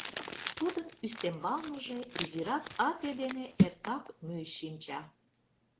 Тудын ӱстембалныже изирак ате дене эртак мӱй шинча.